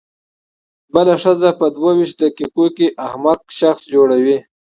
بله ښځه په دوه وېشتو دقیقو کې احمق شخص جوړوي.